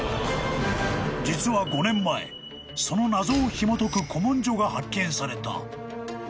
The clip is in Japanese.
［実は５年前その謎をひもとく古文書が発見された］